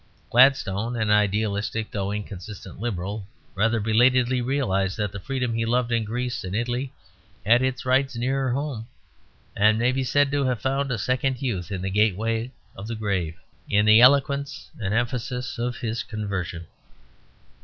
Gladstone, an idealistic though inconsistent Liberal, rather belatedly realized that the freedom he loved in Greece and Italy had its rights nearer home, and may be said to have found a second youth in the gateway of the grave, in the eloquence and emphasis of his conversion.